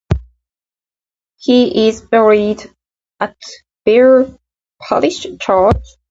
He is buried at Vere Parish Church.